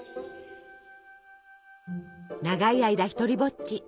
長い間独りぼっち。